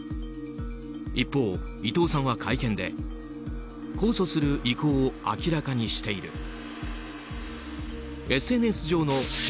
一方、伊藤さんは会見で控訴する意向を明らかにしている。